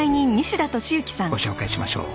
ご紹介しましょう。